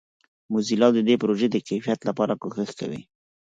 موزیلا د دې پروژې د کیفیت لپاره کوښښ کوي.